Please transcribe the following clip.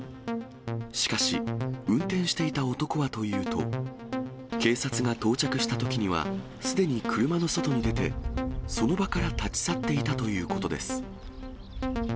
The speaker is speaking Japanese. しかし、運転していた男はというと、警察が到着したときには、すでに車の外に出て、その場から立ち去っていたということです。